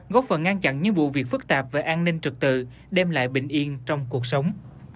góp phần ngăn chặn những vụ việc phức tạp về an ninh trật tự đem lại bình yên trong cuộc sống